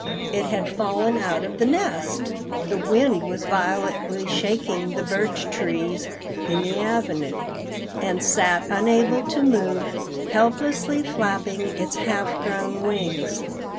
It had fallen out of the nest (the wind was violently shaking the birch trees in the avenue) and sat unable to move, helplessly flapping its half grown wings.